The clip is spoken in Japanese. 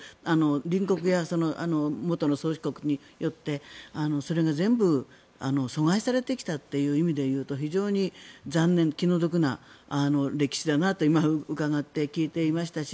隣国や元の宗主国によってそれが全部疎外されてきたという意味で言うと非常に残念で気の毒な歴史だなと聞いていましたし。